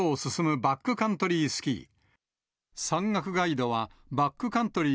バックカントリースキー。